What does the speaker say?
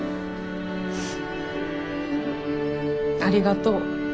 ありがとう。